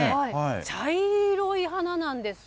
茶色い花なんです。